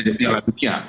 iya piala dunia